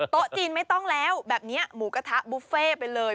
โต๊ะจีนไม่ต้องแล้วแบบนี้หมูกระทะบุฟเฟ่ไปเลย